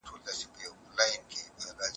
هغه ورته په تونده وویل.